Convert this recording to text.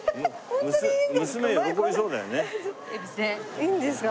いいんですか？